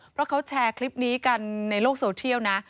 เพราะเขาแชร์คลิปนี้กันในโลกโซเทียลนะ